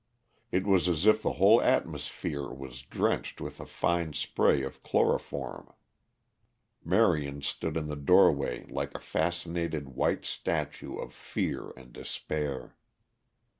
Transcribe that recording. It was as if the whole atmosphere was drenched with a fine spray of chloroform. Marion stood in the doorway like a fascinated white statue of fear and despair.